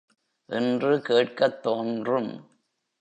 என்று கேட்கத் தோன்றும்.